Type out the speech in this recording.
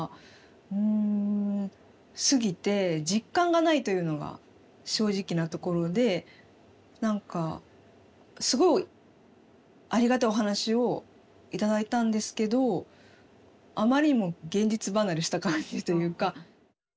うんすぎて実感がないというのが正直なところで何かすごいありがたいお話を頂いたんですけどあまりにも現実離れした感じというか。